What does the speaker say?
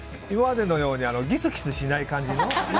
今までのようにギスギスしない感じの。